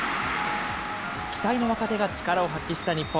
期待の若手が力を発揮した日本。